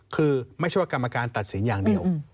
คือไม่ใช่ว่ากรรมการตัดสินอย่างเดียว